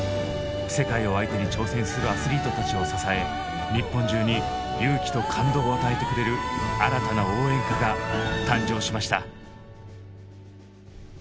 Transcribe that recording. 世界を相手に挑戦するアスリートたちを支え日本中に勇気と感動を与えてくれる新たな応援歌が誕生しました。